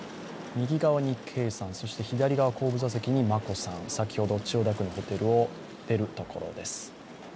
右側に圭さん、左の後部座席に眞子さん、先ほど千代田区のホテルを出るところです。